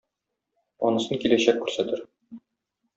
Анысын киләчәк күрсәтер.